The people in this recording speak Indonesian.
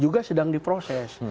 juga sedang diproses